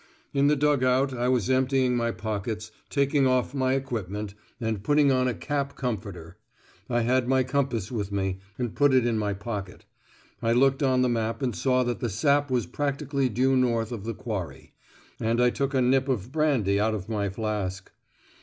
In the dug out I was emptying my pockets, taking off my equipment, and putting on a cap comforter. I had my compass with me, and put it in my pocket. I looked on the map and saw that the sap was practically due north of the Quarry. And I took a nip of brandy out of my flask.